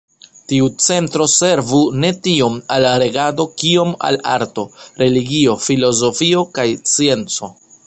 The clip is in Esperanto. Tiu centro servu ne tiom al regado kiom al arto, religio, filozofio kaj scienco.